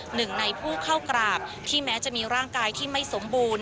หนึ่งในผู้เข้ากราบที่แม้จะมีร่างกายที่ไม่สมบูรณ